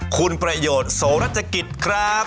คุณประโยชน์โสรัชกิจครับ